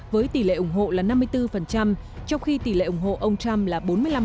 với tỷ lệ ủng hộ là năm mươi bốn trong khi tỷ lệ ủng hộ ông trump là bốn mươi năm